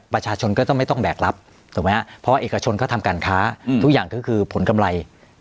ประชาชนก็ต้องไม่ต้องแบกรับถูกไหมครับเพราะเอกชนก็ทำการค้าทุกอย่างก็คือผลกำไร